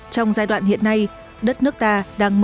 trong giai đoạn hiện nay đất nước ta đang mở rộng